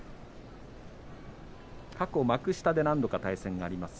過去、幕下では何度か対戦があります。